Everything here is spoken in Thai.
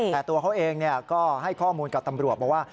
แต่ตัวเขาเองก็ให้ข้อมูลกับตำรวจบอกว่า